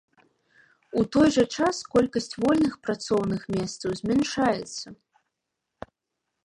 У той жа час колькасць вольных працоўных месцаў змяншаецца.